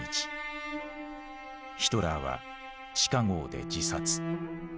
ヒトラーは地下壕で自殺。